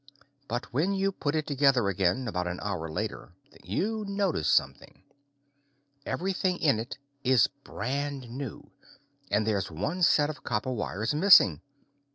But when you put it together again, about an hour later, you notice something. Everything in it is brand new and there's one set of copper wires missing!